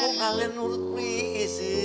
loh kok kalian menurut pi sih